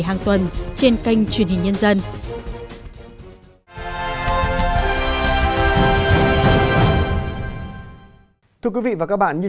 hà nội hà nội hà nội hà nội